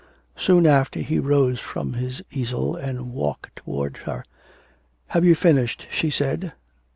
Soon after he rose from his easel and walked towards her. 'Have you finished?' she said.